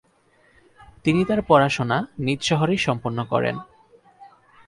তিনি তার পড়াশোনা নিজ শহরেই সম্পন্ন করেন।